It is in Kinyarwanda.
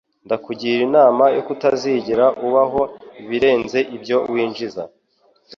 Ndakugira inama yo kutazigera ubaho ibirenze ibyo winjiza